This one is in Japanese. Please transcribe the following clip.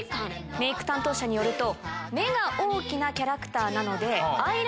メイク担当者によると。